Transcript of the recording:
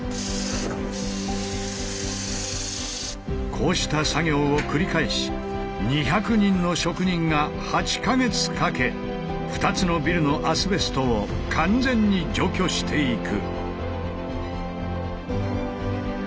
こうした作業を繰り返し２００人の職人が８か月かけ２つのビルのアスベストを完全に除去していく。